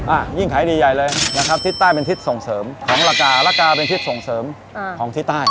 อ่ะยิ่งขายดีใหญ่เลยนะครับทิศใต้เป็นทิศส่งเสริมของราคาละกาเป็นทิศส่งเสริมอ่าของทิศใต้